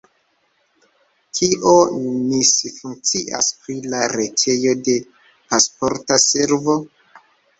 Kio misfunkcias pri la retejo de Pasporta Servo?